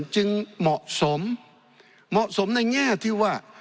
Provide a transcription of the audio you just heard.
เหมาะสมเหมาะสมในแง่ที่ว่า